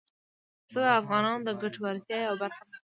پسه د افغانانو د ګټورتیا یوه برخه ده.